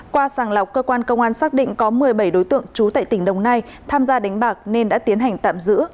qua sàng lọc cơ quan công an xác định có một mươi bảy đối tượng trú tại tỉnh đồng nai tham gia đánh bạc nên đã tiến hành tạm giữ